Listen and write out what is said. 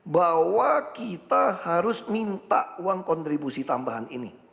bahwa kita harus minta uang kontribusi tambahan ini